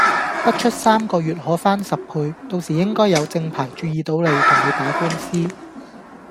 不出三個月可翻十倍，到時應該有正牌注意到你，同你打官司